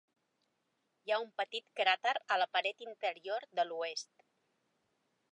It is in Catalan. Hi ha un petit cràter a la paret interior de l'oest.